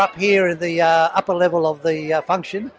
dan sekarang kami berada di atas tahap fungsi